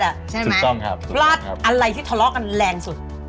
ใช่ไหมพลาดอะไรที่ทะเลาะกันแรงสุด